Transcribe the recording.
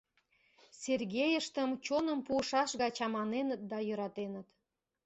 Сергейыштым чоным пуышаш гай чаманеныт да йӧратеныт.